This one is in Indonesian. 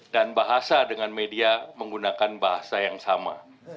dan bahasa dengan media menggunakan bahasa yang sama